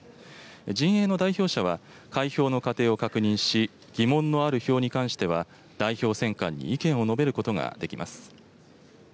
陣営の代表者は、開票の過程を確認し、疑問のある票に関しては、代表選管に意見を述べることができます。